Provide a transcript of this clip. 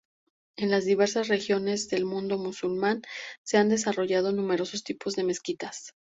En las diversas regiones del mundo musulmán se han desarrollado numerosos tipos de mezquitas.